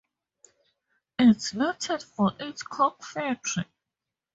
It's noted for its Coke factory.